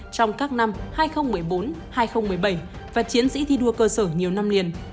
trong các năm hai nghìn một mươi bốn hai nghìn một mươi bảy và chiến sĩ thi đua cơ sở nhiều năm liền